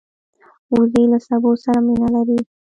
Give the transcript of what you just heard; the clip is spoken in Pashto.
وزې له سبو سره مینه لري